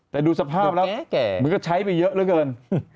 แต่ดูสภาพแล้วมันก็ใช้ไปเยอะเหลือเกิน